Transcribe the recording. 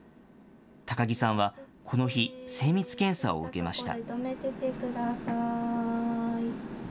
高木さんはこの日、精密検査を受けました。